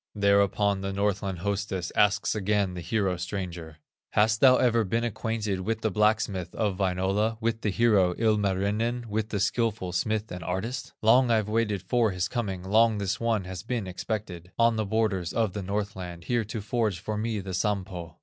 Thereupon the Northland hostess Asks again the hero stranger: "Hast thou ever been acquainted With the blacksmith of Wainola, With the hero, Ilmarinen, With the skilful smith and artist? Long I've waited for his coming, Long this one has been expected, On the borders of the Northland, Here to forge for me the Sampo."